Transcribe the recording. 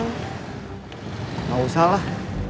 enggak usah lah